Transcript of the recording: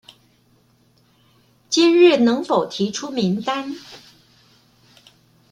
今日能否提出名單？